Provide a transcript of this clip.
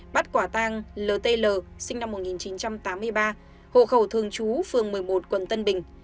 bắt quả tang lt sinh năm một nghìn chín trăm tám mươi ba hộ khẩu thường trú phường một mươi một quận tân bình